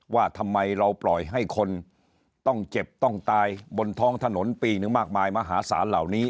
ว่าทำไมเราปล่อยให้คนต้องเจ็บต้องตายบนท้องถนนปีหนึ่งมากมายมหาศาลเหล่านี้